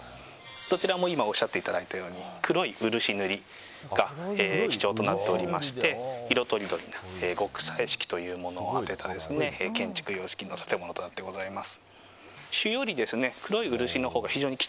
どちらもおっしゃっていただいたように黒い漆塗りが基調となっておりまして色とりどりの極彩色というもので建築様式の建物でございます。